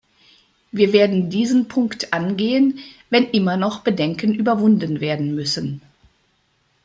Wir werden diesen Punkt angehen, wenn immer noch Bedenken überwunden werden müssen.